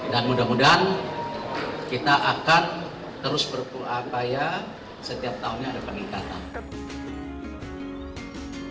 dan mudah mudahan kita akan terus berpulang kaya setiap tahunnya ada peningkatan